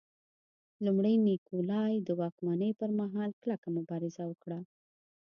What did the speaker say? لومړي نیکولای د واکمنۍ پرمهال کلکه مبارزه وکړه.